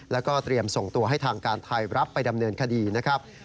แล้วก็เตรียมส่งตัวให้ทางการไทยรับไปดำเนินคดีนะครับ